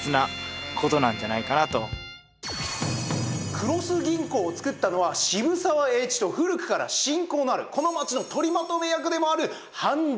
黒須銀行を作ったのは渋沢栄一と古くから親交のあるこの町の取りまとめ役でもある繁田満義。